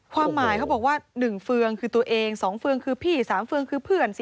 ความหมายเขาบอกว่า๑เฟืองคือตัวเอง๒เฟืองคือพี่๓เฟืองคือเพื่อน